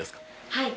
はい。